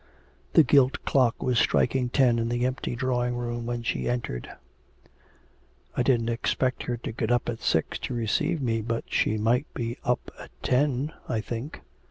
The gilt clock was striking ten in the empty drawing room when she entered. 'I didn't expect her to get up at six to receive me, but she might be up at ten, I think.